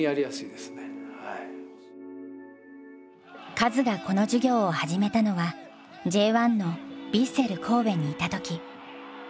カズがこの授業を始めたのはＪ１のヴィッセル神戸にいた時。